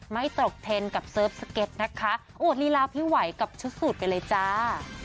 ไม่ตกเทรนด์กับเสิร์ฟสเก็ตนะคะอวดลีลาพี่ไหวกับชุดสูตรไปเลยจ้า